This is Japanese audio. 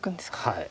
はい。